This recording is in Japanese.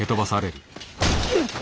うっ！